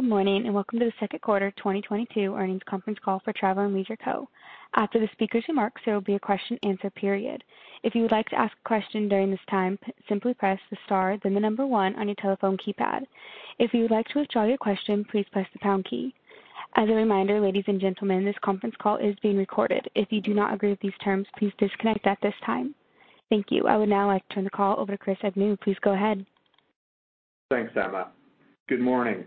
Good morning, and welcome to the second quarter 2022 earnings conference call for Travel + Leisure Co. After the speaker's remarks, there will be a question and answer period. If you would like to ask a question during this time, simply press the star, then the number one on your telephone keypad. If you would like to withdraw your question, please press the pound key. As a reminder, ladies and gentlemen, this conference call is being recorded. If you do not agree with these terms, please disconnect at this time. Thank you. I would now like to turn the call over to Christopher Agnew. Please go ahead. Thanks, Emma. Good morning.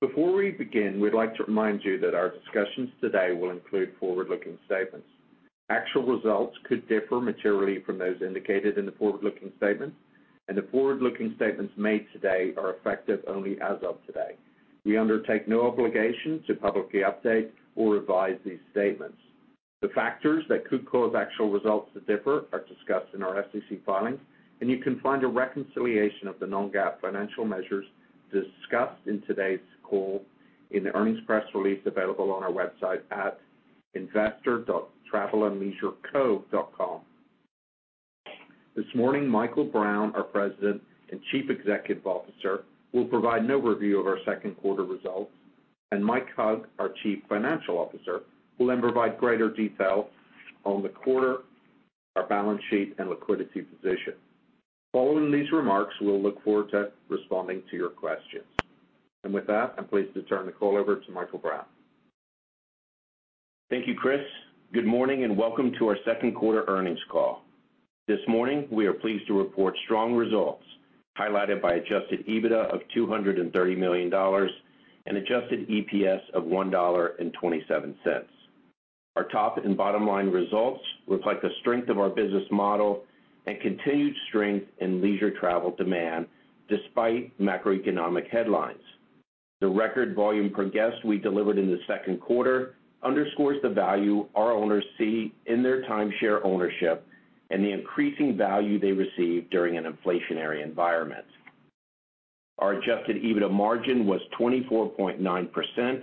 Before we begin, we'd like to remind you that our discussions today will include forward-looking statements. Actual results could differ materially from those indicated in the forward-looking statements, and the forward-looking statements made today are effective only as of today. We undertake no obligation to publicly update or revise these statements. The factors that could cause actual results to differ are discussed in our SEC filings, and you can find a reconciliation of the non-GAAP financial measures discussed in today's call in the earnings press release available on our website at investor.travelandleisureco.com. This morning, Michael Brown, our President and Chief Executive Officer, will provide an overview of our second quarter results, and Mike Hug, our Chief Financial Officer, will then provide greater detail on the quarter, our balance sheet, and liquidity position. Following these remarks, we'll look forward to responding to your questions. With that, I'm pleased to turn the call over to Michael Brown. Thank you, Chris. Good morning and welcome to our second quarter earnings call. This morning, we are pleased to report strong results highlighted by adjusted EBITDA of $230 million and adjusted EPS of $1.27. Our top and bottom line results reflect the strength of our business model and continued strength in leisure travel demand despite macroeconomic headlines. The record volume per guest we delivered in the second quarter underscores the value our owners see in their timeshare ownership and the increasing value they receive during an inflationary environment. Our adjusted EBITDA margin was 24.9%,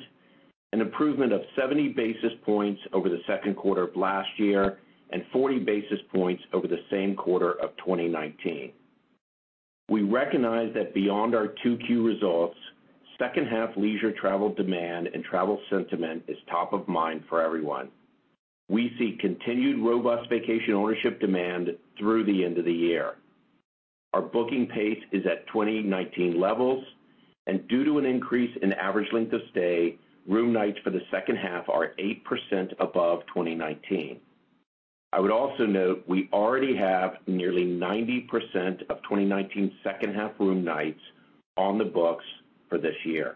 an improvement of 70 basis points over the second quarter of last year and 40 basis points over the same quarter of 2019. We recognize that beyond our 2Q results, second half leisure travel demand and travel sentiment is top of mind for everyone. We see continued robust vacation ownership demand through the end of the year. Our booking pace is at 2019 levels, and due to an increase in average length of stay, room nights for the second half are 8% above 2019. I would also note we already have nearly 90% of 2019 second half room nights on the books for this year.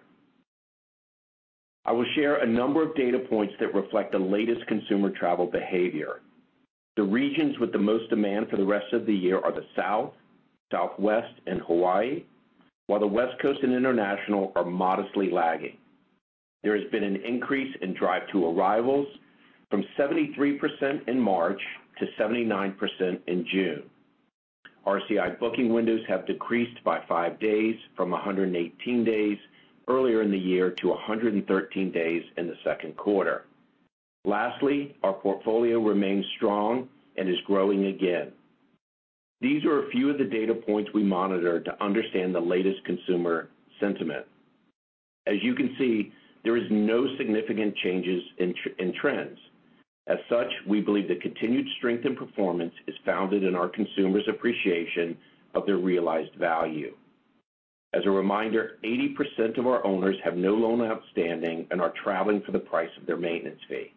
I will share a number of data points that reflect the latest consumer travel behavior. The regions with the most demand for the rest of the year are the South, Southwest, and Hawaii, while the West Coast and International are modestly lagging. There has been an increase in drive to arrivals from 73% in March to 79% in June. RCI booking windows have decreased by 5 days from 118 days earlier in the year to 113 days in the second quarter. Lastly, our portfolio remains strong and is growing again. These are a few of the data points we monitor to understand the latest consumer sentiment. As you can see, there is no significant changes in trends. As such, we believe the continued strength in performance is founded in our consumers' appreciation of their realized value. As a reminder, 80% of our owners have no loan outstanding and are traveling for the price of their maintenance fee.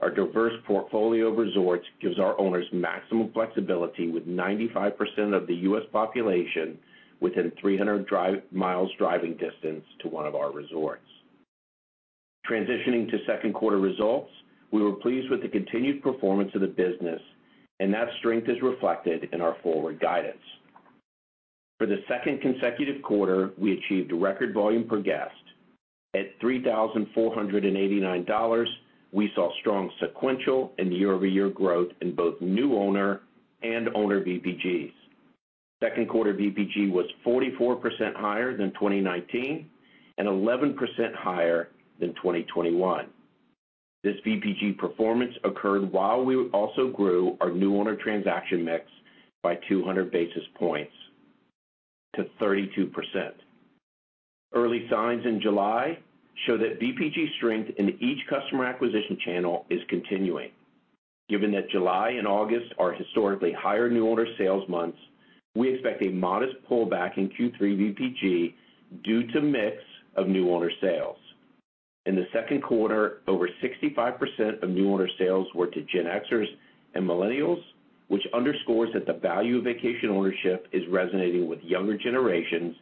Our diverse portfolio of resorts gives our owners maximum flexibility with 95% of the U.S. population within 300 miles driving distance to one of our resorts. Transitioning to second quarter results, we were pleased with the continued performance of the business, and that strength is reflected in our forward guidance. For the second consecutive quarter, we achieved record volume per guest. At $3,489, we saw strong sequential and year-over-year growth in both new owner and owner VPGs. Second quarter VPG was 44% higher than 2019 and 11% higher than 2021. This VPG performance occurred while we also grew our new owner transaction mix by 200 basis points to 32%. Early signs in July show that VPG strength in each customer acquisition channel is continuing. Given that July and August are historically higher new owner sales months, we expect a modest pullback in Q3 VPG due to mix of new owner sales. In the second quarter, over 65% of new owner sales were to Gen Xers and Millennials, which underscores that the value of vacation ownership is resonating with younger generations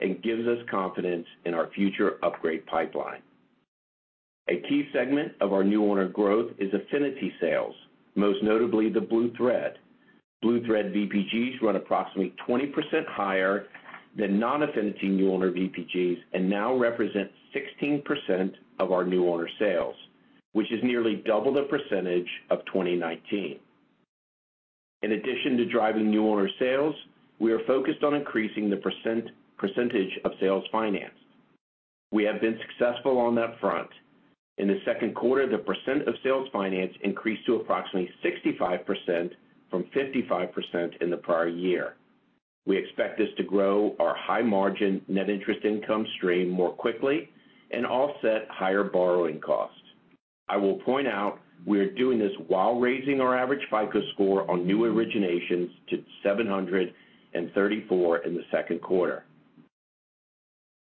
and gives us confidence in our future upgrade pipeline. A key segment of our new owner growth is affinity sales, most notably the Blue Thread. Blue Thread VPGs run approximately 20% higher than non-affinity new owner VPGs and now represent 16% of our new owner sales, which is nearly double the percentage of 2019. In addition to driving new owner sales, we are focused on increasing the percentage of sales finance. We have been successful on that front. In the second quarter, the percentage of sales financed increased to approximately 65% from 55% in the prior year. We expect this to grow our high margin net interest income stream more quickly and offset higher borrowing costs. I will point out we are doing this while raising our average FICO score on new originations to 734 in the second quarter.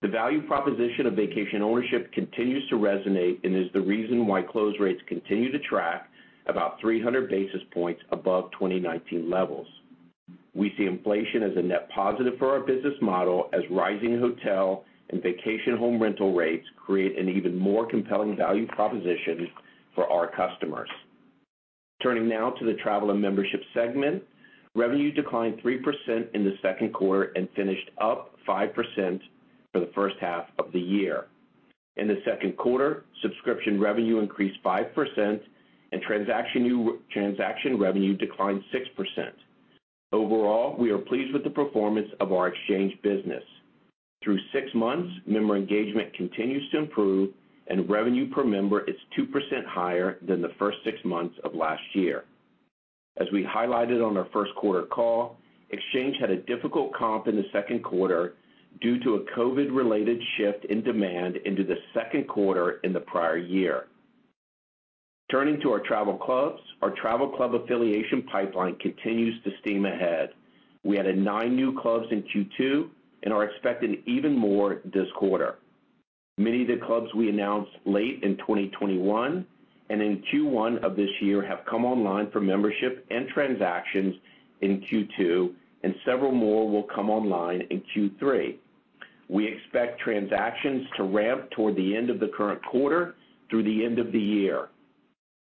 The value proposition of Vacation Ownership continues to resonate and is the reason why close rates continue to track about 300 basis points above 2019 levels. We see inflation as a net positive for our business model as rising hotel and vacation home rental rates create an even more compelling value proposition for our customers. Turning now to the Travel and Membership segment. Revenue declined 3% in the second quarter and finished up 5% for the first half of the year. In the second quarter, subscription revenue increased 5% and transaction revenue declined 6%. Overall, we are pleased with the performance of our exchange business. Through 6 months, member engagement continues to improve and revenue per member is 2% higher than the first 6 months of last year. As we highlighted on our first quarter call, exchange had a difficult comp in the second quarter due to a COVID-related shift in demand into the second quarter in the prior year. Turning to our travel clubs. Our travel club affiliation pipeline continues to steam ahead. We added 9 new clubs in Q2 and are expecting even more this quarter. Many of the clubs we announced late in 2021 and in Q1 of this year have come online for membership and transactions in Q2, and several more will come online in Q3. We expect transactions to ramp toward the end of the current quarter through the end of the year.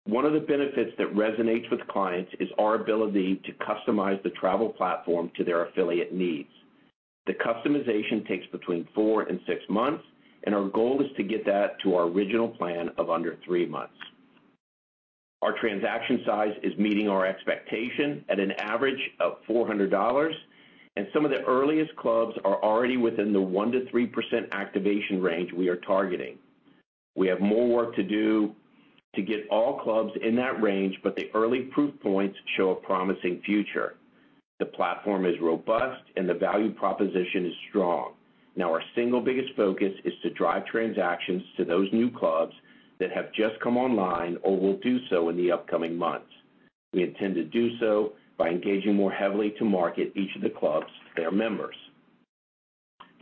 One of the benefits that resonates with clients is our ability to customize the travel platform to their affiliate needs. The customization takes between 4-6 months, and our goal is to get that to our original plan of under 3 months. Our transaction size is meeting our expectation at an average of $400, and some of the earliest clubs are already within the 1%-3% activation range we are targeting. We have more work to do to get all clubs in that range, but the early proof points show a promising future. The platform is robust and the value proposition is strong. Now our single biggest focus is to drive transactions to those new clubs that have just come online or will do so in the upcoming months. We intend to do so by engaging more heavily to market each of the clubs to their members.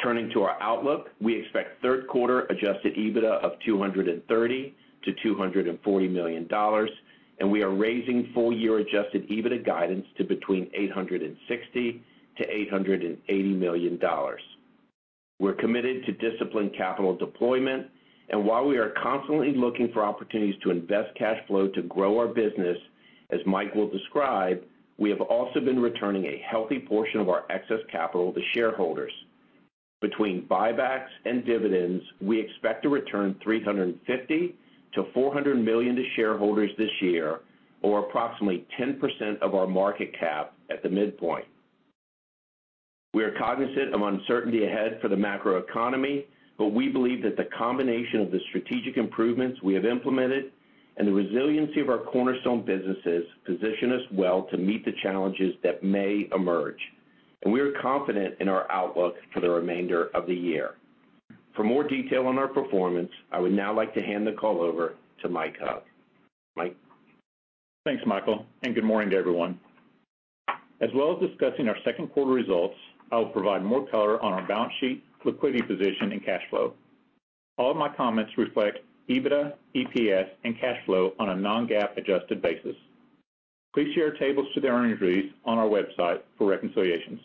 Turning to our outlook, we expect third quarter adjusted EBITDA of $230 million-$240 million, and we are raising full year adjusted EBITDA guidance to between $860 million-$880 million. We're committed to disciplined capital deployment and while we are constantly looking for opportunities to invest cash flow to grow our business, as Mike will describe, we have also been returning a healthy portion of our excess capital to shareholders. Between buybacks and dividends, we expect to return $350 million-$400 million to shareholders this year, or approximately 10% of our market cap at the midpoint. We are cognizant of uncertainty ahead for the macroeconomy, but we believe that the combination of the strategic improvements we have implemented and the resiliency of our cornerstone businesses position us well to meet the challenges that may emerge, and we are confident in our outlook for the remainder of the year. For more detail on our performance, I would now like to hand the call over to Mike Hug. Mike? Thanks, Michael, and good morning to everyone. As well as discussing our second quarter results, I will provide more color on our balance sheet, liquidity position and cash flow. All of my comments reflect EBITDA, EPS and cash flow on a non-GAAP adjusted basis. Please see our tables to the earnings release on our website for reconciliations.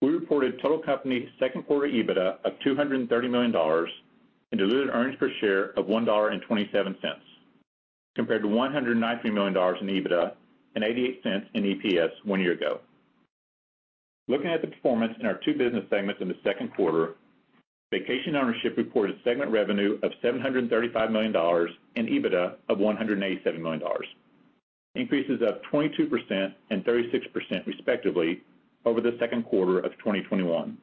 We reported total company second quarter EBITDA of $230 million and diluted earnings per share of $1.27 compared to $190 million in EBITDA and $0.88 in EPS one year ago. Looking at the performance in our two business segments in the second quarter, Vacation Ownership reported segment revenue of $735 million and EBITDA of $187 million, increases of 22% and 36% respectively over the second quarter of 2021.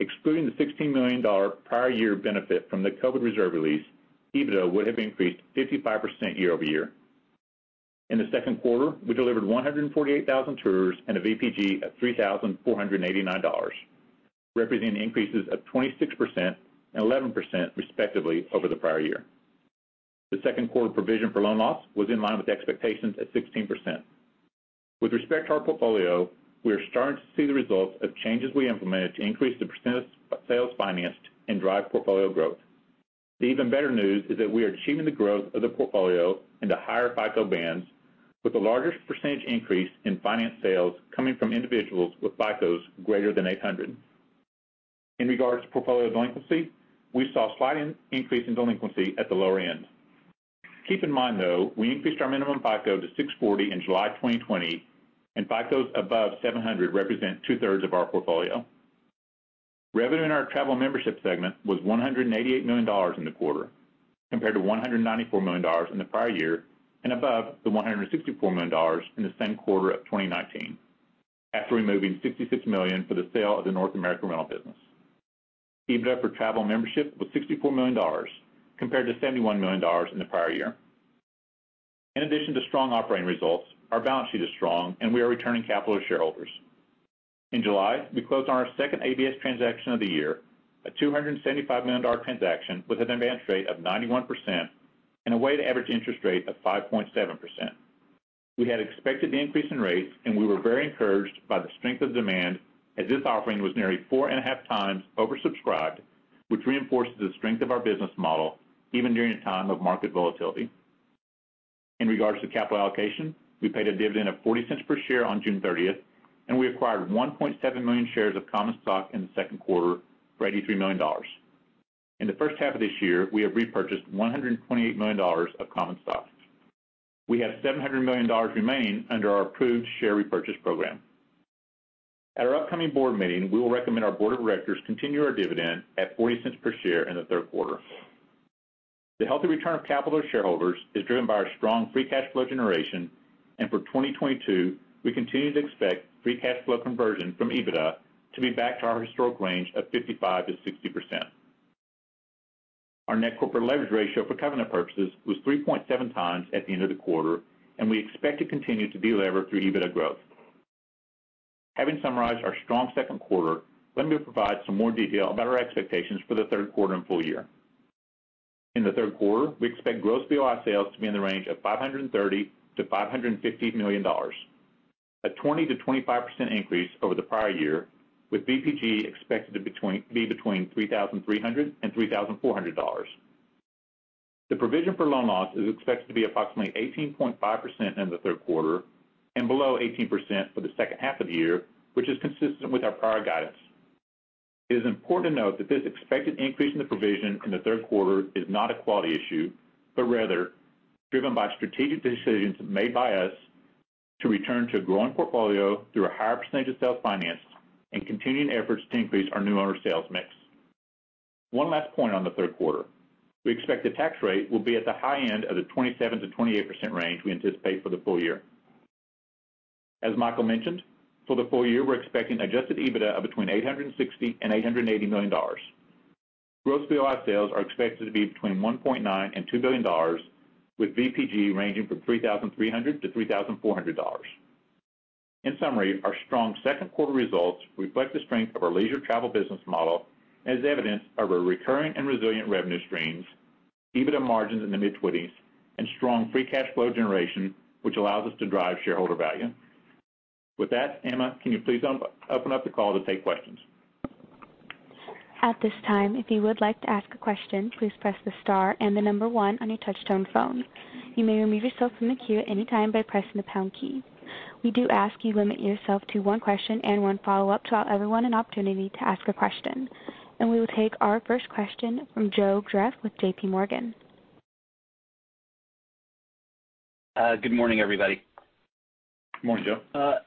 Excluding the $16 million prior year benefit from the COVID reserve release, EBITDA would have increased 55% year-over-year. In the second quarter, we delivered 148,000 tours and a VPG of $3,489, representing increases of 26% and 11% respectively over the prior year. The second quarter provision for loan loss was in line with expectations at 16%. With respect to our portfolio, we are starting to see the results of changes we implemented to increase the percent of sales financed and drive portfolio growth. The even better news is that we are achieving the growth of the portfolio in the higher FICO bands with the largest percentage increase in finance sales coming from individuals with FICOs greater than 800. In regards to portfolio delinquency, we saw a slight increase in delinquency at the lower end. Keep in mind though, we increased our minimum FICO to 640 in July 2020, and FICOs above 700 represent two-thirds of our portfolio. Revenue in our travel membership segment was $188 million in the quarter compared to $194 million in the prior year and above the $164 million in the same quarter of 2019 after removing $66 million for the sale of the North American rental business. EBITDA for travel membership was $64 million compared to $71 million in the prior year. In addition to strong operating results, our balance sheet is strong, and we are returning capital to shareholders. In July, we closed on our second ABS transaction of the year, a $275 million transaction with an advance rate of 91% and a weighted average interest rate of 5.7%. We had expected the increase in rates, and we were very encouraged by the strength of demand as this offering was nearly 4.5 times oversubscribed, which reinforces the strength of our business model even during a time of market volatility. In regards to capital allocation, we paid a dividend of $0.40 per share on June 30, and we acquired 1.7 million shares of common stock in the second quarter for $83 million. In the first half of this year, we have repurchased $128 million of common stock. We have $700 million remaining under our approved share repurchase program. At our upcoming board meeting, we will recommend our board of directors continue our dividend at $0.40 per share in the third quarter. The healthy return of capital to shareholders is driven by our strong free cash flow generation, and for 2022, we continue to expect free cash flow conversion from EBITDA to be back to our historic range of 55%-60%. Our net corporate leverage ratio for covenant purposes was 3.7x at the end of the quarter, and we expect to continue to delever through EBITDA growth. Having summarized our strong second quarter, let me provide some more detail about our expectations for the third quarter and full year. In the third quarter, we expect gross VOI sales to be in the range of $530 million-$550 million, a 20%-25% increase over the prior year, with VPG expected to be between $3,300 and $3,400. The provision for loan loss is expected to be approximately 18.5% in the third quarter and below 18% for the second half of the year, which is consistent with our prior guidance. It is important to note that this expected increase in the provision in the third quarter is not a quality issue, but rather driven by strategic decisions made by us to return to a growing portfolio through a higher percentage of self-finance and continuing efforts to increase our new owner sales mix. One last point on the third quarter. We expect the tax rate will be at the high end of the 27%-28% range we anticipate for the full year. As Michael mentioned, for the full year, we're expecting adjusted EBITDA of between $860 million and $880 million. Gross VOI sales are expected to be between $1.9 billion and $2 billion, with VPG ranging from $3,300 to $3,400. In summary, our strong second quarter results reflect the strength of our leisure travel business model as evidence of our recurring and resilient revenue streams, EBITDA margins in the mid-20s, and strong free cash flow generation, which allows us to drive shareholder value. With that, Emma, can you please open up the call to take questions? At this time, if you would like to ask a question, please press the star and 1 on your touchtone phone. You may remove yourself from the queue at any time by pressing the pound key. We do ask you limit yourself to one question and one follow-up to allow everyone an opportunity to ask a question. We will take our first question from Joe Greff with JPMorgan. Good morning, everybody. Good morning, Joe.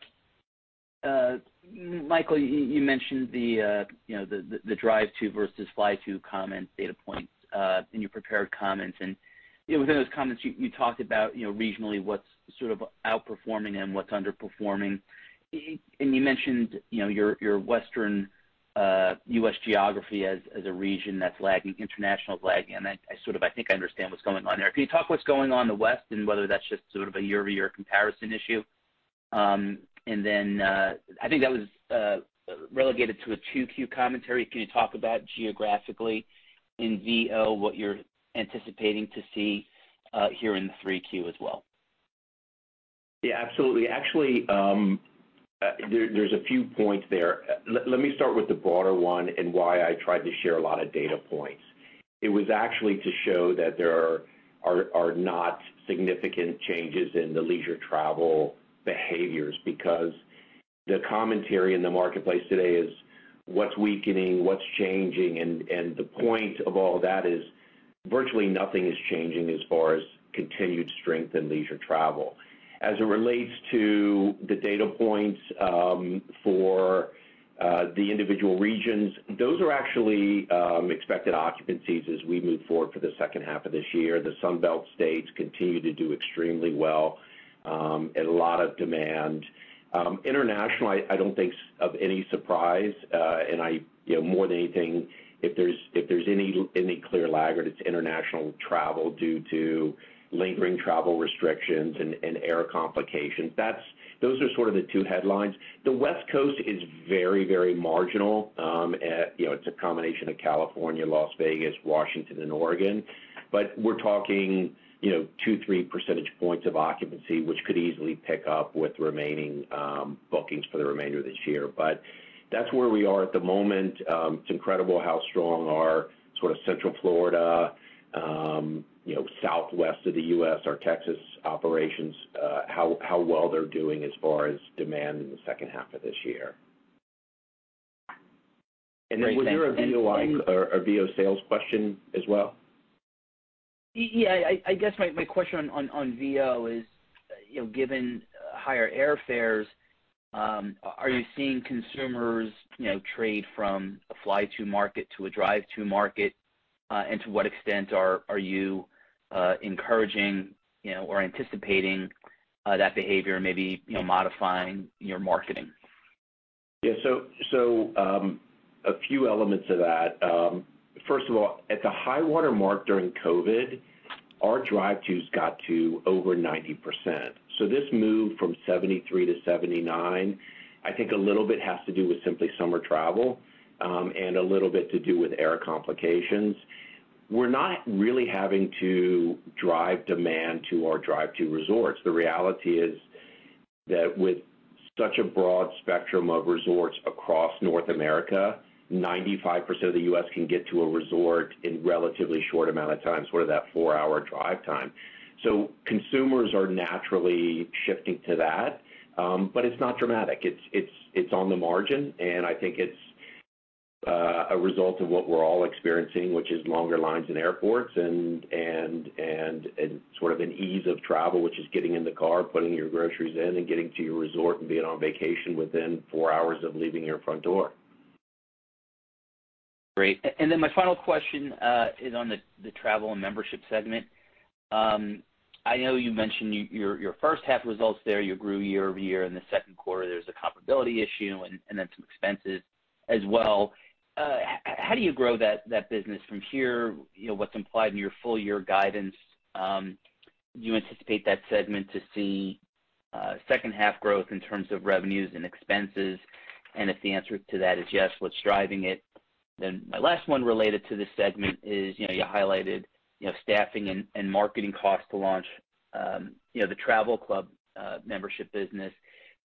Michael, you mentioned the drive-to versus fly-to comment data points in your prepared comments. You know, within those comments, you talked about, you know, regionally what's sort of outperforming and what's underperforming. You mentioned, you know, your Western U.S. geography as a region that's lagging. International is lagging. I sort of think I understand what's going on there. Can you talk what's going on in the West and whether that's just sort of a year-over-year comparison issue? I think that was relegated to a 2Q commentary. Can you talk about geographically in VO what you're anticipating to see here in 3Q as well? Yeah, absolutely. Actually, there's a few points there. Let me start with the broader one and why I tried to share a lot of data points. It was actually to show that there are not significant changes in the leisure travel behaviors because the commentary in the marketplace today is what's weakening, what's changing, and the point of all that is virtually nothing is changing as far as continued strength in leisure travel. As it relates to the data points, for the individual regions, those are actually expected occupancies as we move forward for the second half of this year. The Sun Belt states continue to do extremely well, and a lot of demand. International, I don't think there's any surprise, and I, you know, more than anything, if there's any clear laggard, it's international travel due to lingering travel restrictions and air complications. That's those are sort of the two headlines. The West Coast is very marginal. You know, it's a combination of California, Las Vegas, Washington, and Oregon. But we're talking, you know, 2, 3 percentage points of occupancy, which could easily pick up with remaining bookings for the remainder of this year. But that's where we are at the moment. It's incredible how strong our sort of Central Florida, you know, southwest of the US, our Texas operations, how well they're doing as far as demand in the second half of this year. Great, thanks. Was there a VO-like or a VO sales question as well? Yeah. I guess my question on VO is, you know, given higher airfares, are you seeing consumers, you know, trade from a fly-to market to a drive-to market? To what extent are you encouraging, you know, or anticipating, that behavior and maybe, you know, modifying your marketing? Yeah. A few elements of that. First of all, at the high water mark during COVID, our drive-tos got to over 90%. This move from 73%-79%, I think a little bit has to do with simply summer travel, and a little bit to do with air complications. We're not really having to drive demand to our drive-to resorts. The reality is that with such a broad spectrum of resorts across North America, 95% of the U.S. can get to a resort in relatively short amount of time, sort of that 4-hour drive time. Consumers are naturally shifting to that. It's not dramatic. It's on the margin, and I think it's a result of what we're all experiencing, which is longer lines in airports and sort of an ease of travel, which is getting in the car, putting your groceries in, and getting to your resort and being on vacation within four hours of leaving your front door. Great. My final question is on the Travel and Membership segment. I know you mentioned your first half results there. You grew year-over-year in the second quarter. There's a comparability issue and then some expenses as well. How do you grow that business from here? You know, what's implied in your full year guidance? Do you anticipate that segment to see second half growth in terms of revenues and expenses? If the answer to that is yes, what's driving it? My last one related to this segment is, you know, you highlighted, you know, staffing and marketing costs to launch, you know, the travel club membership business.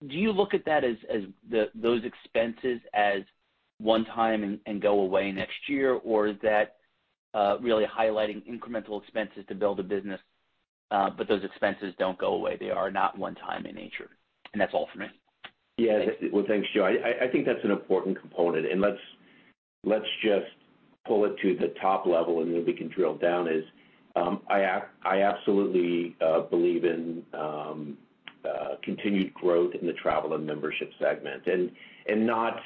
Do you look at that as those expenses as one-time and go away next year? Is that really highlighting incremental expenses to build a business, but those expenses don't go away, they are not one time in nature? That's all for me. Yeah. Well, thanks, Joe. I think that's an important component, and let's just pull it to the top level, and then we can drill down. I absolutely believe in continued growth in the Travel and Membership segment. Not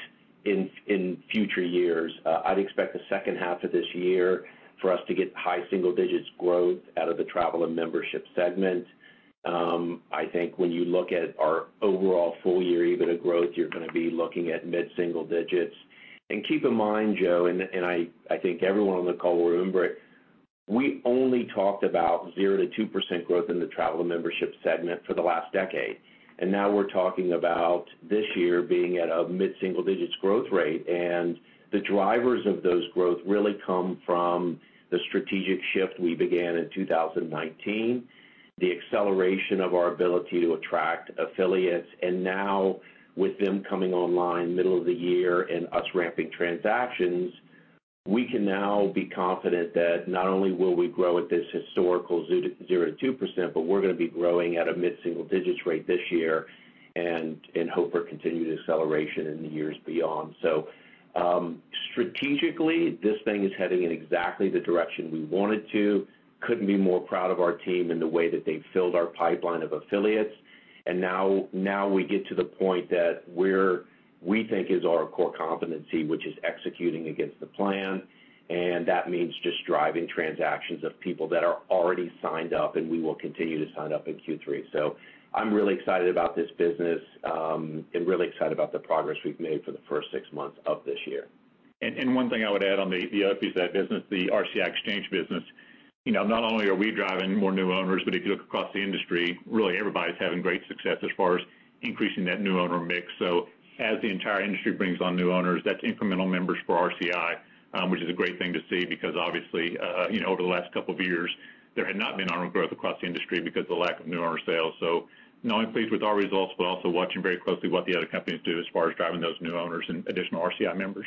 in future years. I'd expect the second half of this year for us to get high single digits growth out of the Travel and Membership segment. I think when you look at our overall full year EBITDA growth, you're gonna be looking at mid single digits. Keep in mind, Joe, and I think everyone on the call will remember it, we only talked about 0%-2% growth in the Travel and Membership segment for the last decade. Now we're talking about this year being at a mid single digits growth rate. The drivers of those growth really come from the strategic shift we began in 2019, the acceleration of our ability to attract affiliates. Now with them coming online middle of the year and us ramping transactions, we can now be confident that not only will we grow at this historical 0%-2%, but we're gonna be growing at a mid-single digits% rate this year and hope for continued acceleration in the years beyond. Strategically, this thing is heading in exactly the direction we want it to. Couldn't be more proud of our team and the way that they filled our pipeline of affiliates. Now we get to the point that we think is our core competency, which is executing against the plan. That means just driving transactions of people that are already signed up, and we will continue to sign up in Q3. I'm really excited about this business, and really excited about the progress we've made for the first six months of this year. One thing I would add on the other piece of that business, the RCI exchange business, you know, not only are we driving more new owners, but if you look across the industry, really everybody's having great success as far as increasing that new owner mix. As the entire industry brings on new owners, that's incremental members for RCI, which is a great thing to see because obviously, you know, over the last couple of years, there had not been owner growth across the industry because of the lack of new owner sales. Not only pleased with our results, but also watching very closely what the other companies do as far as driving those new owners and additional RCI members.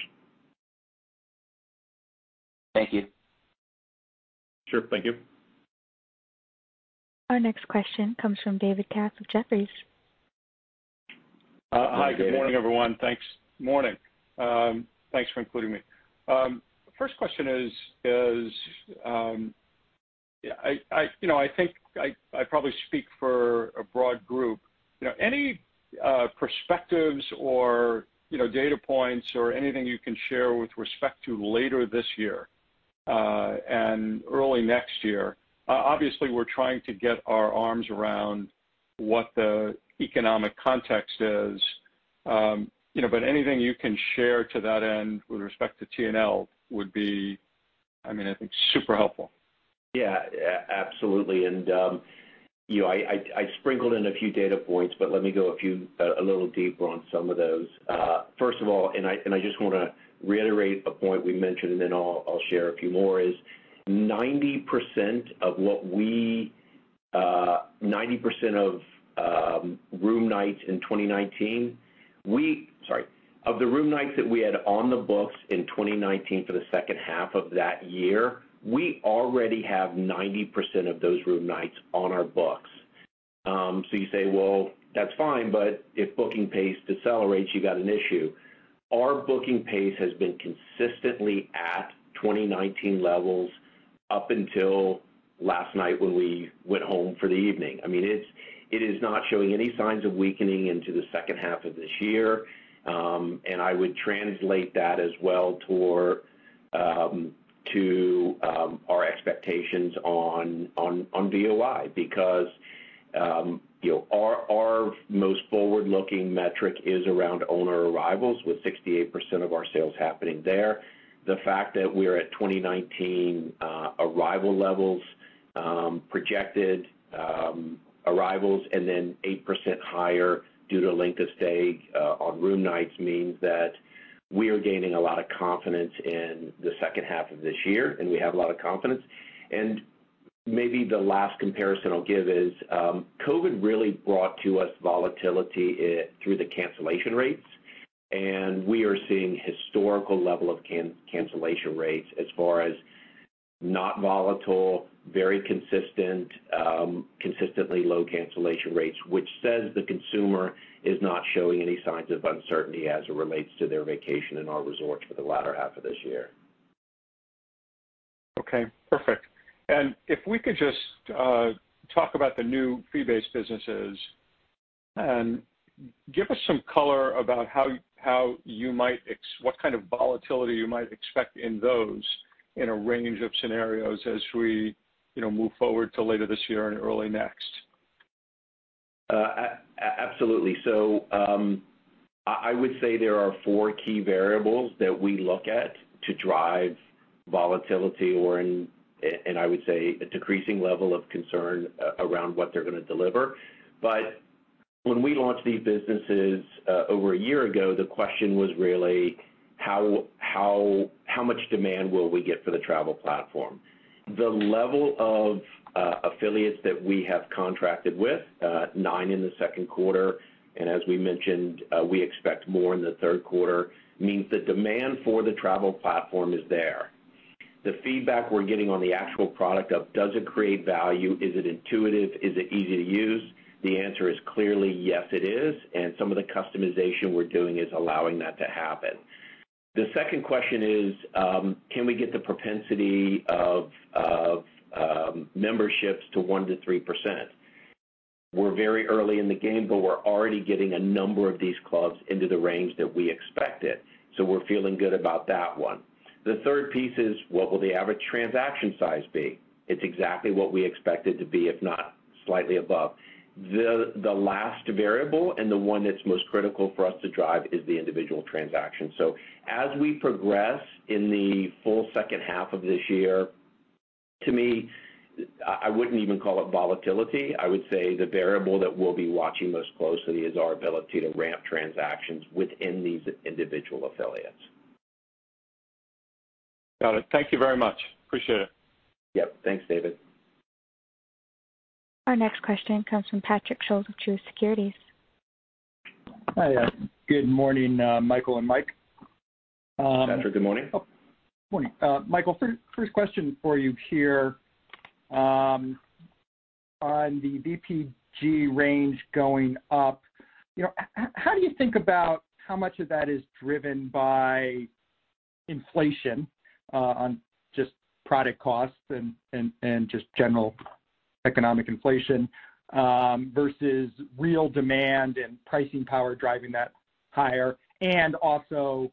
Thank you. Sure. Thank you. Our next question comes from David Katz of Jefferies. Hi, David. Hi. Good morning, everyone. Thanks. Morning. Thanks for including me. First question is, yeah, you know, I think I probably speak for a broad group. You know, any perspectives or, you know, data points or anything you can share with respect to later this year and early next year. Obviously, we're trying to get our arms around what the economic context is, you know, but anything you can share to that end with respect to T&L would be, I mean, I think super helpful. Yeah. Absolutely. I sprinkled in a few data points, but let me go a little deeper on some of those. First of all, I just wanna reiterate a point we mentioned, and then I'll share a few more, is 90% of room nights in 2019. Of the room nights that we had on the books in 2019 for the second half of that year, we already have 90% of those room nights on our books. You say, well, that's fine, but if booking pace decelerates, you got an issue. Our booking pace has been consistently at 2019 levels up until last night when we went home for the evening. I mean, it is not showing any signs of weakening into the second half of this year. I would translate that as well toward our expectations on VOI because, you know, our most forward-looking metric is around owner arrivals with 68% of our sales happening there. The fact that we're at 2019 arrival levels, projected arrivals and then 8% higher due to length of stay on room nights means that we are gaining a lot of confidence in the second half of this year, and we have a lot of confidence. Maybe the last comparison I'll give is, COVID really brought to us volatility through the cancellation rates, and we are seeing historical level of cancellation rates as far as not volatile, very consistent, consistently low cancellation rates, which says the consumer is not showing any signs of uncertainty as it relates to their vacation in our resorts for the latter half of this year. Okay, perfect. If we could just talk about the new fee-based businesses and give us some color about how you might what kind of volatility you might expect in those in a range of scenarios as we, you know, move forward to later this year and early next. Absolutely. I would say there are 4 key variables that we look at to drive volatility or a decreasing level of concern around what they're gonna deliver. When we launched these businesses over a year ago, the question was really how much demand will we get for the travel platform? The level of affiliates that we have contracted with, 9 in the second quarter, and as we mentioned, we expect more in the third quarter, means the demand for the travel platform is there. The feedback we're getting on the actual product does it create value, is it intuitive, is it easy to use? The answer is clearly yes, it is, and some of the customization we're doing is allowing that to happen. The second question is, can we get the propensity of memberships to 1%-3%? We're very early in the game, but we're already getting a number of these clubs into the range that we expected, so we're feeling good about that one. The third piece is what will the average transaction size be? It's exactly what we expect it to be, if not slightly above. The last variable and the one that's most critical for us to drive is the individual transaction. As we progress in the full second half of this year, to me, I wouldn't even call it volatility. I would say the variable that we'll be watching most closely is our ability to ramp transactions within these individual affiliates. Got it. Thank you very much. Appreciate it. Yep. Thanks, David. Our next question comes from Patrick Scholes of Truist Securities. Hi. Good morning, Michael and Mike. Patrick, good morning. Morning. Michael, first question for you here, on the VPG range going up. You know, how do you think about how much of that is driven by inflation on just product costs and just general economic inflation versus real demand and pricing power driving that higher and also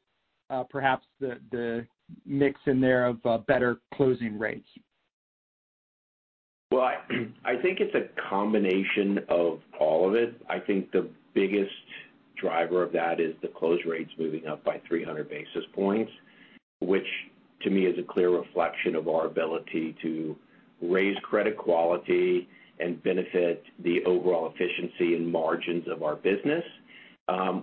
perhaps the mix in there of better closing rates? Well, I think it's a combination of all of it. I think the biggest driver of that is the close rates moving up by 300 basis points, which to me is a clear reflection of our ability to raise credit quality and benefit the overall efficiency and margins of our business,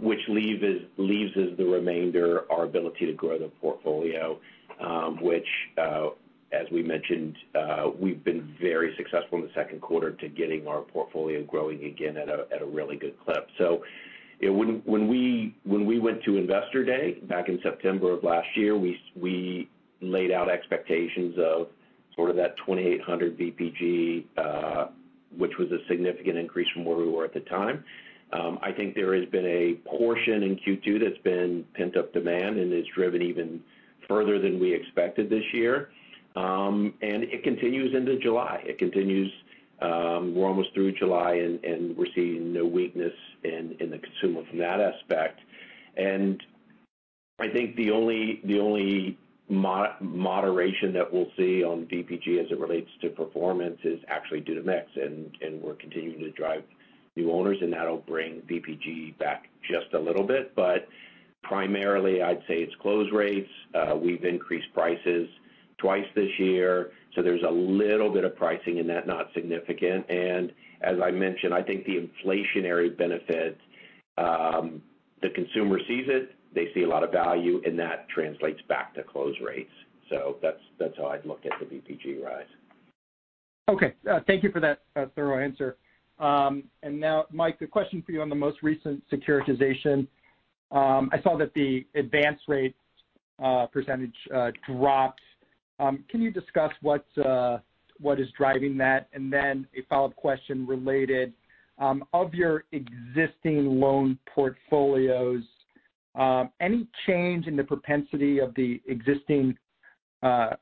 which leaves as the remainder our ability to grow the portfolio, which, as we mentioned, we've been very successful in the second quarter to getting our portfolio growing again at a really good clip. When we went to Investor Day back in September of last year, we laid out expectations of sort of that 2,800 VPG, which was a significant increase from where we were at the time. I think there has been a portion in Q2 that's been pent-up demand and is driven even further than we expected this year. It continues into July. We're almost through July and we're seeing no weakness in the consumer from that aspect. I think the only moderation that we'll see on VPG as it relates to performance is actually due to mix, and we're continuing to drive new owners, and that'll bring VPG back just a little bit. Primarily I'd say it's close rates. We've increased prices twice this year, so there's a little bit of pricing in that, not significant. As I mentioned, I think the inflationary benefit, the consumer sees it, they see a lot of value, and that translates back to close rates. That's how I'd look at the VPG rise. Okay. Thank you for that thorough answer. Now Mike, the question for you on the most recent securitization. I saw that the advance rate percentage dropped. Can you discuss what is driving that? Then a follow-up question related to your existing loan portfolios. Any change in the propensity of the existing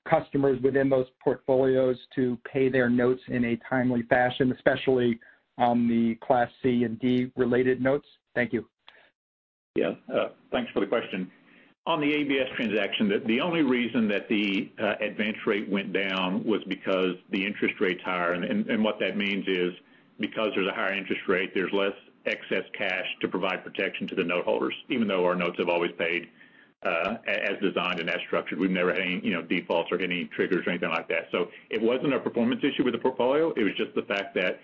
customers within those portfolios to pay their notes in a timely fashion, especially on the Class C and D related notes? Thank you. Yeah, thanks for the question. On the ABS transaction, the only reason that the advance rate went down was because the interest rate's higher. What that means is, because there's a higher interest rate, there's less excess cash to provide protection to the note holders, even though our notes have always paid as designed and as structured. We've never had any, you know, defaults or any triggers or anything like that. It wasn't a performance issue with the portfolio. It was just the fact that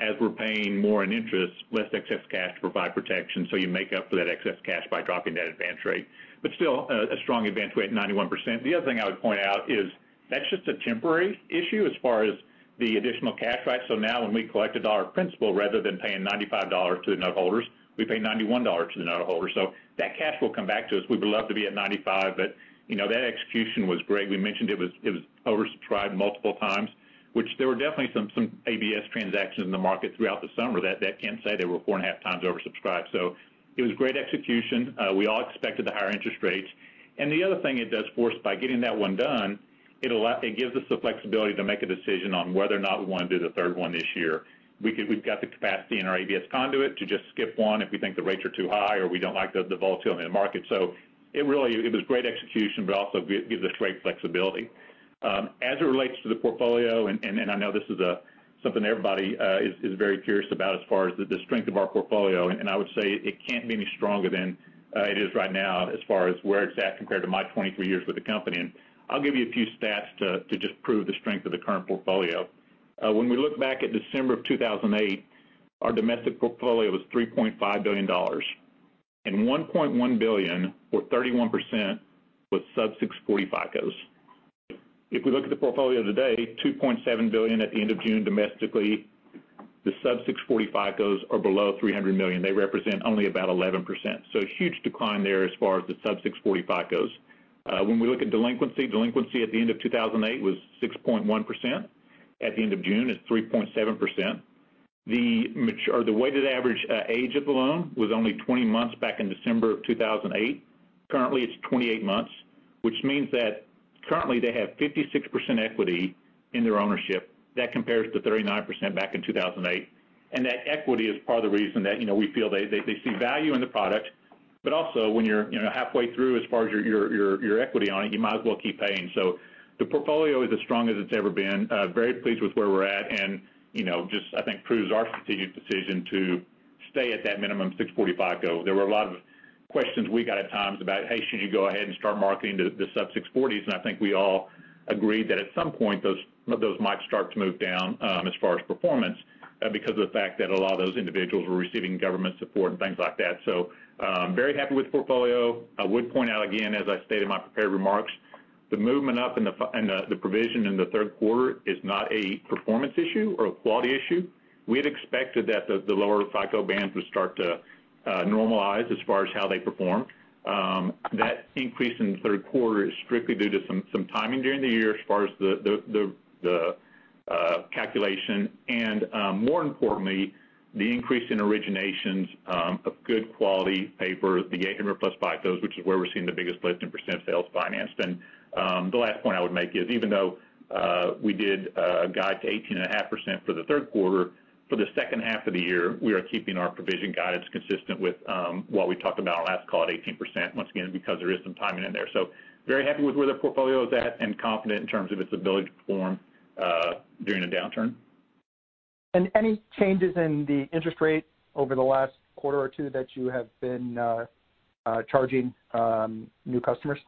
as we're paying more in interest, less excess cash to provide protection. You make up for that excess cash by dropping that advance rate. But still, a strong advance rate, 91%. The other thing I would point out is that's just a temporary issue as far as the additional cash back. Now when we collect a dollar of principal, rather than paying $95 to the note holders, we pay $91 to the note holder. That cash will come back to us. We would love to be at $95, but you know, that execution was great. We mentioned it was oversubscribed multiple times, which there were definitely some ABS transactions in the market throughout the summer that can say they were 4.5 times oversubscribed. It was great execution. We all expected the higher interest rates. The other thing it does for us by getting that one done, it gives us the flexibility to make a decision on whether or not we wanna do the third one this year. We've got the capacity in our ABS conduit to just skip one if we think the rates are too high or we don't like the volatility in the market. It really was great execution, but also gives us great flexibility. As it relates to the portfolio, I know this is something everybody is very curious about as far as the strength of our portfolio. I would say it can't be any stronger than it is right now as far as where it's at compared to my 23 years with the company. I'll give you a few stats to just prove the strength of the current portfolio. When we look back at December of 2008, our domestic portfolio was $3.5 billion, and $1.1 billion, or 31%, was sub-640 FICOs. If we look at the portfolio today, $2.7 billion at the end of June domestically, the sub-640 FICOs are below $300 million. They represent only about 11%. A huge decline there as far as the sub-640 FICOs. When we look at delinquency at the end of 2008 was 6.1%. At the end of June, it's 3.7%. The weighted average age of the loan was only 20 months back in December of 2008. Currently, it's 28 months, which means that currently they have 56% equity in their ownership. That compares to 39% back in 2008. That equity is part of the reason that, you know, we feel they see value in the product, but also when you're, you know, halfway through as far as your equity on it, you might as well keep paying. The portfolio is as strong as it's ever been. Very pleased with where we're at. You know, just I think proves our continued decision to stay at that minimum 640 FICO. There were a lot of questions we got at times about, "Hey, should you go ahead and start marketing the sub-640s?" I think we all agreed that at some point, those might start to move down as far as performance because of the fact that a lot of those individuals were receiving government support and things like that. Very happy with the portfolio. I would point out, again, as I stated in my prepared remarks, the movement up in the provision in the third quarter is not a performance issue or a quality issue. We had expected that the lower FICO band would start to normalize as far as how they performed. That increase in the third quarter is strictly due to some timing during the year as far as the calculation. More importantly, the increase in originations of good quality paper, the 800+ FICOs which is where we're seeing the biggest lift in percent of sales financed. The last point I would make is even though we did a guidance to 18.5% for the third quarter, for the second half of the year, we are keeping our provision guidance consistent with what we talked about on our last call at 18% once again because there is some timing in there. Very happy with where the portfolio is at and confident in terms of its ability to perform during a downturn. Any changes in the interest rate over the last quarter or two that you have been charging new customers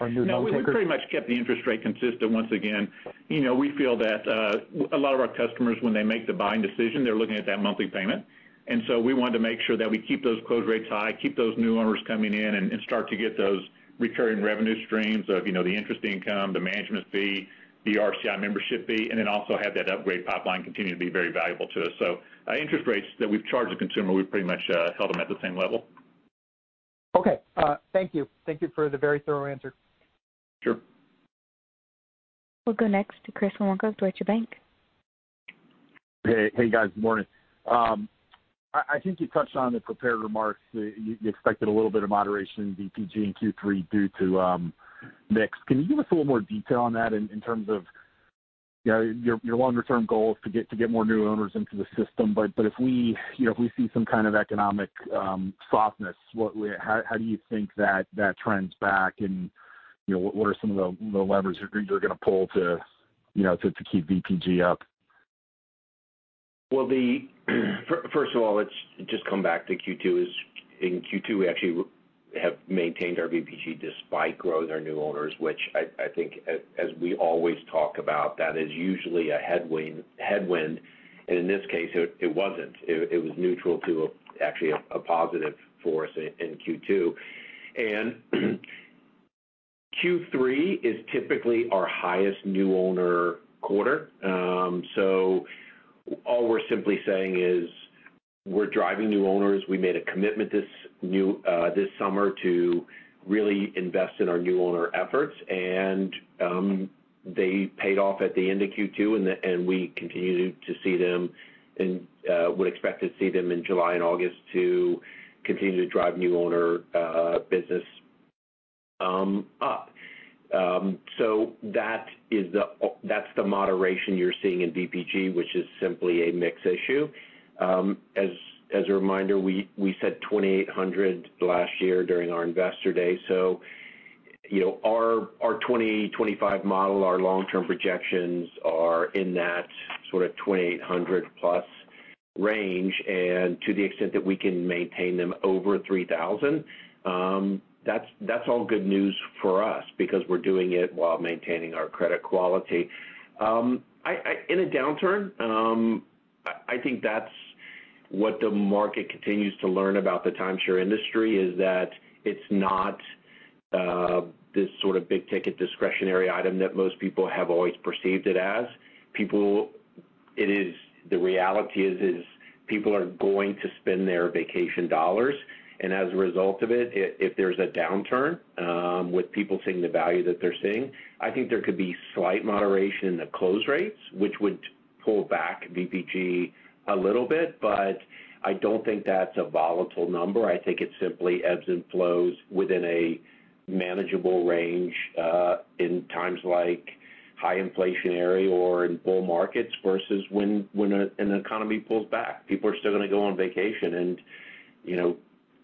or new loan takers? No, we've pretty much kept the interest rate consistent once again. You know, we feel that a lot of our customers, when they make the buying decision, they're looking at that monthly payment. We wanted to make sure that we keep those close rates high, keep those new owners coming in and start to get those recurring revenue streams of, you know, the interest income, the management fee, the RCI membership fee, and then also have that upgrade pipeline continue to be very valuable to us. Interest rates that we've charged the consumer, we've pretty much held them at the same level. Okay. Thank you. Thank you for the very thorough answer. Sure. We'll go next to Chris Woronka Deutsche Bank. Hey guys. Morning. I think you touched on the prepared remarks. You expected a little bit of moderation in VPG in Q3 due to mix. Can you give us a little more detail on that in terms of, you know, your longer term goals to get more new owners into the system? But if we, you know, if we see some kind of economic softness, how do you think that trends back and, you know, what are some of the levers you're gonna pull to, you know, to keep VPG up? Well, first of all, let's just come back to Q2. As in Q2, we actually have maintained our VPG despite growth in our new owners, which I think as we always talk about, that is usually a headwind. In this case, it wasn't. It was neutral to actually a positive for us in Q2. Q3 is typically our highest new owner quarter. All we're simply saying is we're driving new owners. We made a commitment this summer to really invest in our new owner efforts, and they paid off at the end of Q2, and we continue to see them and would expect to see them in July and August to continue to drive new owner business up. That's the moderation you're seeing in VPG, which is simply a mix issue. As a reminder, we said 2,800 last year during our investor day. You know, our 25 model, our long-term projections are in that sort of 2,800+ range. To the extent that we can maintain them over 3,000, that's all good news for us because we're doing it while maintaining our credit quality. In a downturn, I think that's what the market continues to learn about the timeshare industry, is that it's not this sort of big ticket discretionary item that most people have always perceived it as. The reality is, people are going to spend their vacation dollars, and as a result of it, if there's a downturn, with people seeing the value that they're seeing, I think there could be slight moderation in the close rates, which would pull back VPG a little bit, but I don't think that's a volatile number. I think it simply ebbs and flows within a manageable range, in times like high inflationary or in bull markets versus when an economy pulls back. People are still gonna go on vacation and, you know,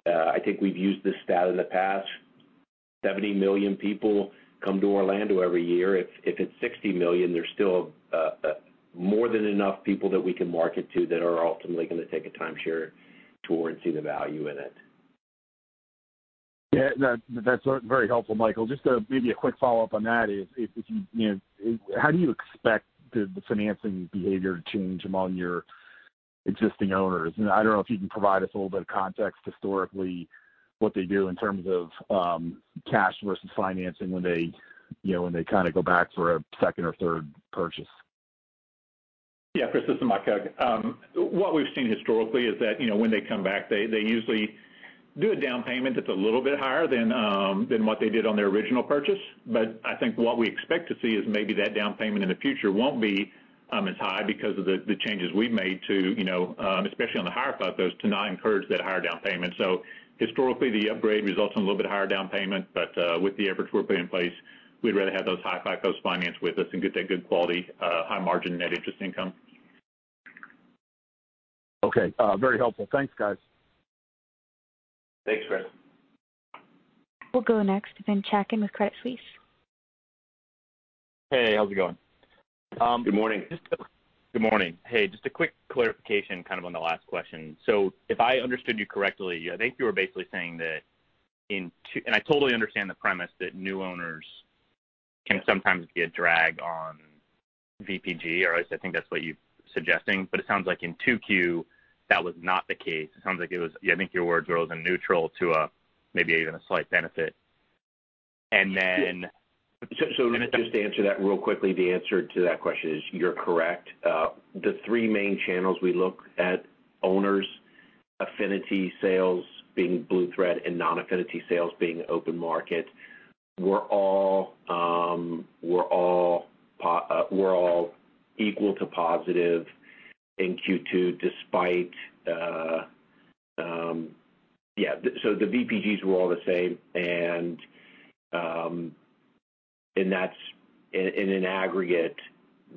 I think we've used this stat in the past. 70 million people come to Orlando every year. If it's 60 million, there's still more than enough people that we can market to that are ultimately gonna take a timeshare tour and see the value in it. Yeah, that's very helpful, Michael. Just maybe a quick follow-up on that is, if you know, how do you expect the financing behavior to change among your existing owners? I don't know if you can provide us a little bit of context historically, what they do in terms of cash versus financing when they, you know, kind of go back for a second or third purchase. Yeah, Chris, this is Mike Hug. What we've seen historically is that, you know, when they come back, they usually do a down payment that's a little bit higher than what they did on their original purchase. I think what we expect to see is maybe that down payment in the future won't be as high because of the changes we've made to, you know, especially on the higher 50s, to not encourage that higher down payment. Historically, the upgrade results in a little bit higher down payment, but with the efforts we're putting in place, we'd rather have those high 50s financed with us and get that good quality high margin net interest income. Okay. Very helpful. Thanks, guys. Thanks, Chris. We'll go net Ben Chaiken with Credit Suisse. Hey, how's it going? Good morning. Good morning. Hey, just a quick clarification kind of on the last question. If I understood you correctly, I think you were basically saying that in 2Q. I totally understand the premise that new owners can sometimes be a drag on VPG, or at least I think that's what you're suggesting. It sounds like in 2Q, that was not the case. It sounds like it was. I think your words were it was a neutral to a maybe even a slight benefit. Then- Just to answer that real quickly, the answer to that question is you're correct. The three main channels we look at, owners, affinity sales being Blue Thread, and non-affinity sales being open market, were all equal to positive in Q2 despite. The VPGs were all the same and that's in aggregate,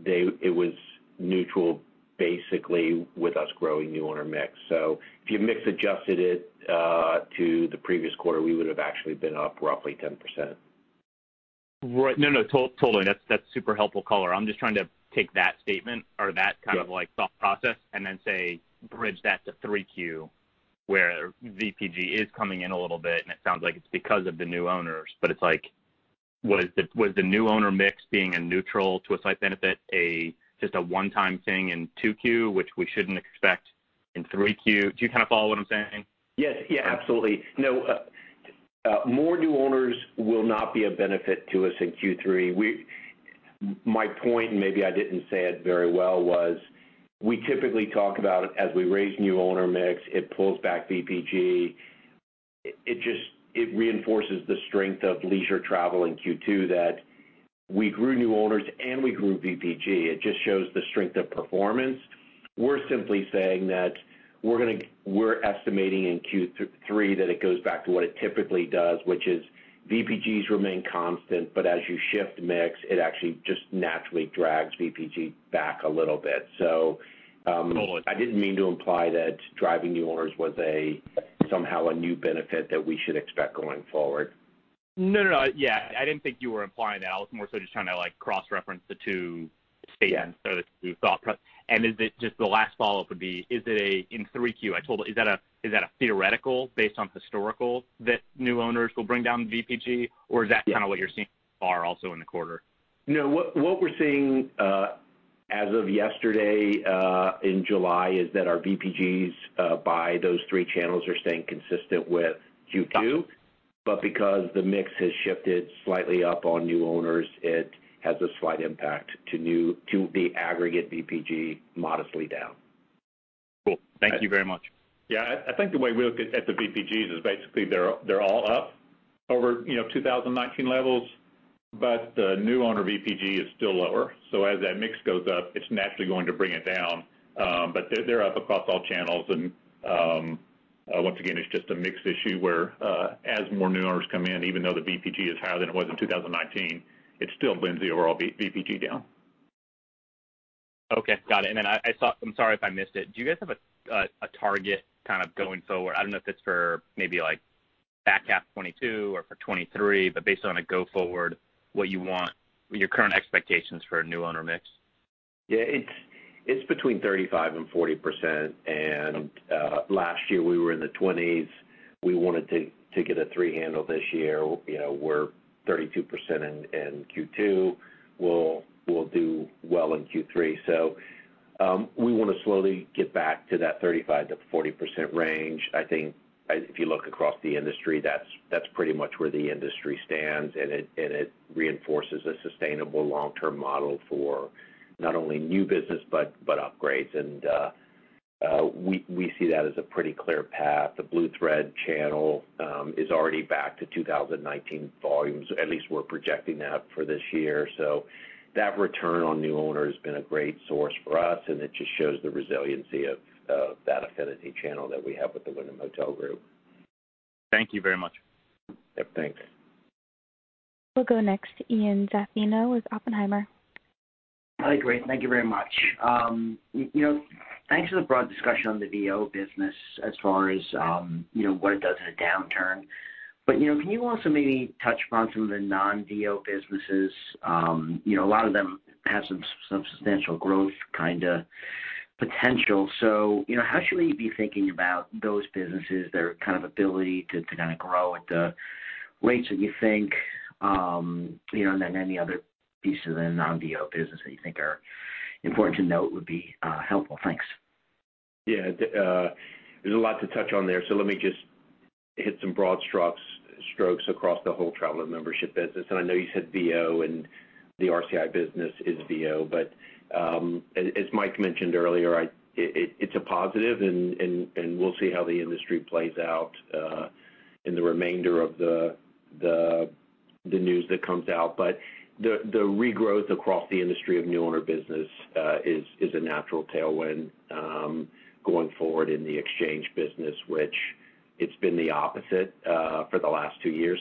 it was neutral basically with us growing new owner mix. If you mix adjusted it to the previous quarter, we would have actually been up roughly 10%. Right. No. Totally. That's super helpful color. I'm just trying to take that statement or that kind of like thought process and then say bridge that to 3Q, where VPG is coming in a little bit, and it sounds like it's because of the new owners, but it's like, was the new owner mix being neutral to a slight benefit or just a one-time thing in 2Q, which we shouldn't expect in 3Q? Do you kind of follow what I'm saying? Yes. Yeah, absolutely. No, more new owners will not be a benefit to us in Q3. My point, and maybe I didn't say it very well, was we typically talk about as we raise new owner mix, it pulls back VPG. It reinforces the strength of leisure travel in Q2 that we grew new owners and we grew VPG. It just shows the strength of performance. We're simply saying that we're estimating in Q3 that it goes back to what it typically does, which is VPGs remain constant, but as you shift mix, it actually just naturally drags VPG back a little bit. Got it. I didn't mean to imply that driving new owners was somehow a new benefit that we should expect going forward. No, no. Yeah. I didn't think you were implying that. I was more so just trying to, like, cross-reference the two statements. Yeah. Just the last follow-up would be, is it a in 3Q? Is that a theoretical based on historical that new owners will bring down VPG? Or is that- Yeah. Kind of what you're seeing so far also in the quarter? No. What we're seeing as of yesterday in July is that our VPGs by those three channels are staying consistent with Q2. Got it. Because the mix has shifted slightly up on new owners, it has a slight impact to the aggregate VPG modestly down. Cool. Thank you very much. Yeah. I think the way we look at the VPGs is basically they're all up over you know 2019 levels, but the new owner VPG is still lower. As that mix goes up, it's naturally going to bring it down. But they're up across all channels and Once again, it's just a mixed issue where, as more new owners come in, even though the VPG is higher than it was in 2019, it still blends the overall VPG down. Okay. Got it. I saw, I'm sorry if I missed it. Do you guys have a target kind of going forward? I don't know if it's for maybe like back half 2022 or for 2023, but based on a go forward, what you want or your current expectations for a new owner mix? Yeah, it's between 35% and 40%. Last year we were in the 20s. We wanted to get a three handle this year. You know, we're 32% in Q2. We'll do well in Q3. We wanna slowly get back to that 35%-40% range. I think if you look across the industry, that's pretty much where the industry stands, and it reinforces a sustainable long-term model for not only new business, but upgrades. We see that as a pretty clear path. The Blue Thread channel is already back to 2019 volumes. At least we're projecting that for this year. That return on new owner has been a great source for us, and it just shows the resiliency of that affinity channel that we have with the Wyndham Hotel Group. Thank you very much. Yeah. Thanks. We'll go next to Ian Zaffino with Oppenheimer. Hi, great. Thank you very much. You know, thanks for the broad discussion on the VO business as far as, you know, what it does in a downturn. You know, can you also maybe touch upon some of the non-VO businesses? You know, a lot of them have some substantial growth kinda potential. You know, how should we be thinking about those businesses, their kind of ability to kinda grow at the rates that you think, you know, and then any other pieces in non-VO business that you think are important to note would be helpful? Thanks. Yeah. There's a lot to touch on there, so let me just hit some broad strokes across the whole Travel and Membership business. I know you said VO, and the RCI business is VO, but as Mike mentioned earlier, it's a positive and we'll see how the industry plays out in the remainder of the news that comes out. The regrowth across the industry of new owner business is a natural tailwind going forward in the exchange business, which it's been the opposite for the last two years.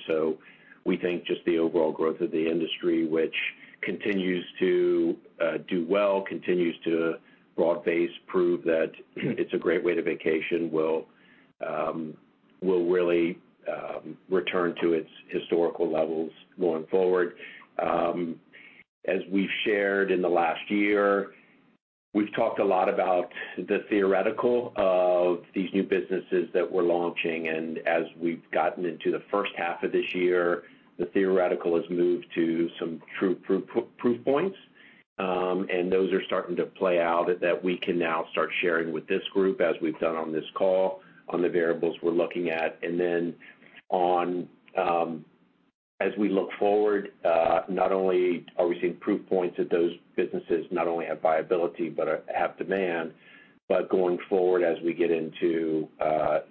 We think just the overall growth of the industry, which continues to do well, continues to broad-based prove that it's a great way to vacation will really return to its historical levels going forward. As we've shared in the last year, we've talked a lot about the theoretical of these new businesses that we're launching. As we've gotten into the first half of this year, the theoretical has moved to some true proof points. Those are starting to play out that we can now start sharing with this group as we've done on this call, on the variables we're looking at. As we look forward, not only are we seeing proof points that those businesses not only have viability but have demand, but going forward, as we get into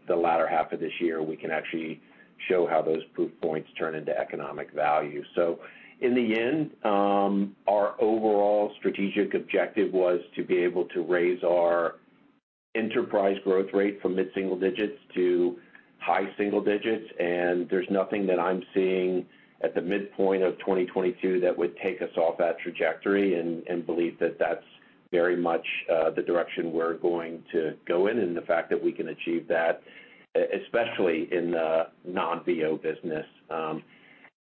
the latter half of this year, we can actually show how those proof points turn into economic value. In the end, our overall strategic objective was to be able to raise our enterprise growth rate from mid-single digits to high single digits, and there's nothing that I'm seeing at the midpoint of 2022 that would take us off that trajectory and believe that that's very much the direction we're going to go in, and the fact that we can achieve that, especially in the non-VO business.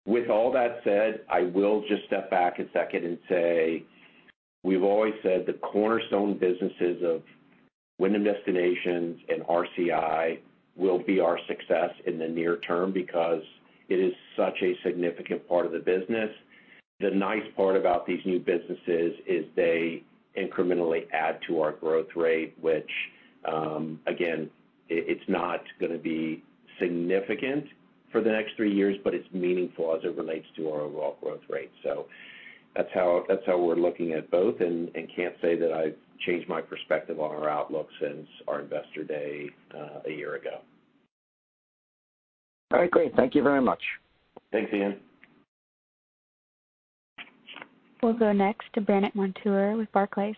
With all that said, I will just step back a second and say, we've always said the cornerstone businesses of Wyndham Destinations and RCI will be our success in the near term because it is such a significant part of the business. The nice part about these new businesses is they incrementally add to our growth rate, which, again, it's not gonna be significant for the next three years, but it's meaningful as it relates to our overall growth rate. That's how we're looking at both, and can't say that I've changed my perspective on our outlook since our investor day, a year ago. All right, great. Thank you very much. Thanks, Ian. We'll go next to Brandt Montour with Barclays.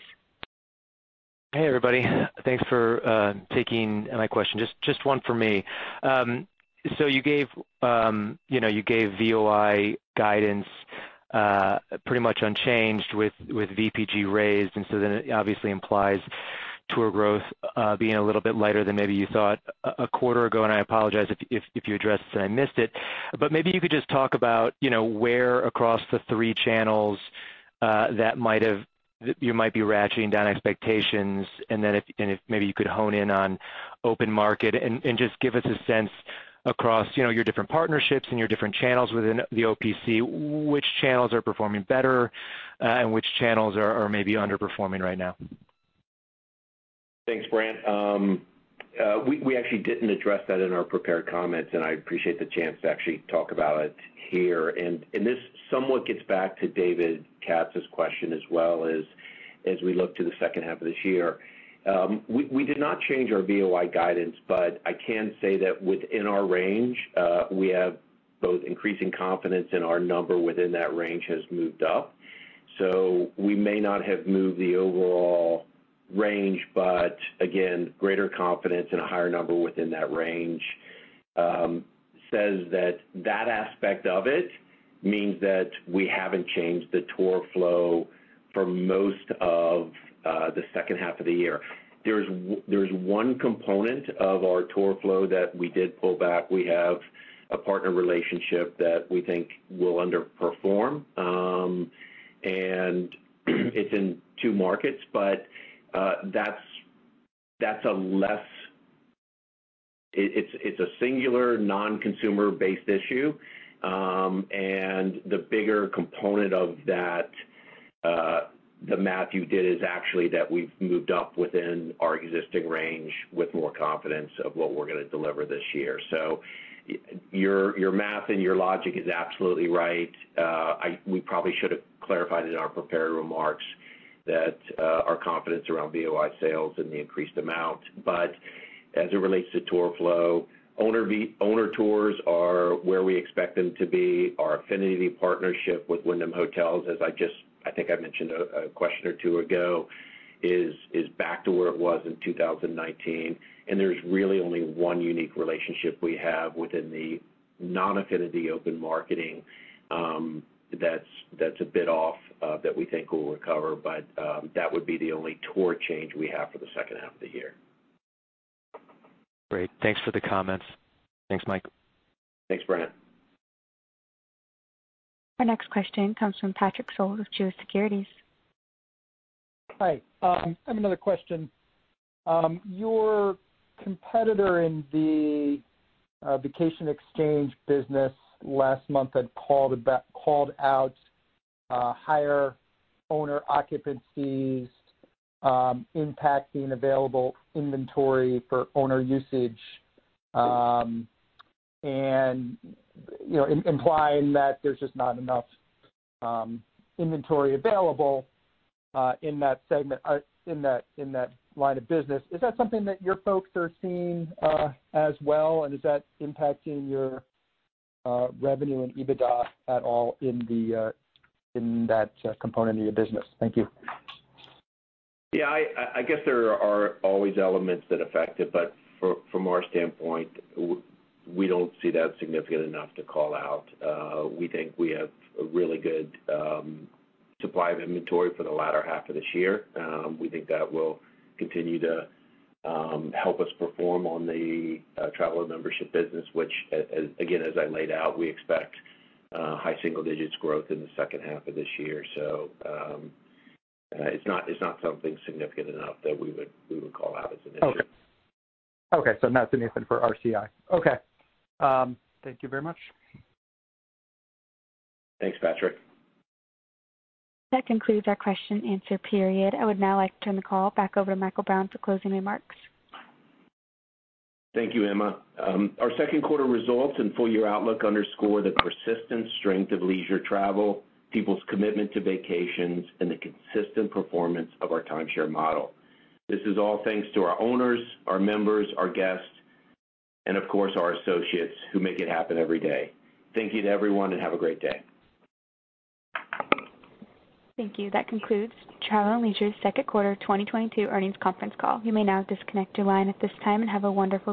Hey, everybody. Thanks for taking my question. Just one for me. You gave, you know, you gave VOI guidance pretty much unchanged with VPG raised, and so then it obviously implies tour growth being a little bit lighter than maybe you thought a quarter ago. I apologize if you addressed this and I missed it. Maybe you could just talk about, you know, where across the three channels you might be ratcheting down expectations. Then, if maybe you could hone in on open market and just give us a sense across, you know, your different partnerships and your different channels within the OPC, which channels are performing better and which channels are maybe underperforming right now? Thanks, Brandt. We actually didn't address that in our prepared comments, and I appreciate the chance to actually talk about it here. This somewhat gets back to David Katz's question as well as we look to the second half of this year. We did not change our VOI guidance, but I can say that within our range, we have both increasing confidence and our number within that range has moved up. We may not have moved the overall range, but again, greater confidence in a higher number within that range, says that that aspect of it means that we haven't changed the tour flow for most of the second half of the year. There's one component of our tour flow that we did pull back. We have a partner relationship that we think will underperform, and it's in two markets, but that's a singular non-consumer-based issue. The bigger component of that, the math you did is actually that we've moved up within our existing range with more confidence of what we're gonna deliver this year. Your math and your logic is absolutely right. We probably should have clarified in our prepared remarks that our confidence around VOI sales and the increased amount. As it relates to tour flow, owner tours are where we expect them to be. Our affinity partnership with Wyndham Hotels, as I just... I think I mentioned a question or two ago, is back to where it was in 2019, and there's really only one unique relationship we have within the non-affinity open marketing, that's a bit off, that we think will recover, but that would be the only tour change we have for the second half of the year. Great. Thanks for the comments. Thanks, Mike. Thanks, Brandt. Our next question comes from Patrick Scholes of Truist Securities. Hi. I have another question. Your competitor in the vacation exchange business last month had called out higher owner occupancies impacting available inventory for owner usage, and you know, implying that there's just not enough inventory available in that segment or in that line of business. Is that something that your folks are seeing as well, and is that impacting your revenue and EBITDA at all in that component of your business? Thank you. Yeah, I guess there are always elements that affect it, but from our standpoint, we don't see that significant enough to call out. We think we have a really good supply of inventory for the latter half of this year. We think that will continue to help us perform on the Travel and Membership business, which, as I laid out again, we expect high single digits growth in the second half of this year. It's not something significant enough that we would call out as an issue. Okay, so not significant for RCI. Okay. Thank you very much. Thanks, Patrick. That concludes our question and answer period. I would now like to turn the call back over to Michael Brown for closing remarks. Thank you, Emma. Our second quarter results and full year outlook underscore the persistent strength of leisure travel, people's commitment to vacations, and the consistent performance of our timeshare model. This is all thanks to our owners, our members, our guests, and of course, our associates who make it happen every day. Thank you to everyone, and have a great day. Thank you. That concludes Travel + Leisure's second quarter 2022 earnings conference call. You may now disconnect your line at this time and have a wonderful day.